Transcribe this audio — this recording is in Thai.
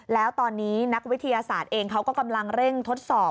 แล้วตอนนี้นักวิทยาศาสตร์เองเขาก็กำลังเร่งทดสอบ